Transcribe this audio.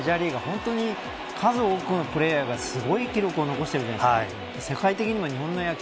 本当に数多くのプレーヤーがすごい記録を残してるじゃないですか。